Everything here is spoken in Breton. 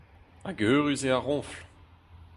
Hag eürus eo ar roñfl.